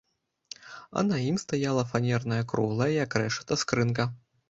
А на ім стаяла фанерная круглая, як рэшата, скрынка.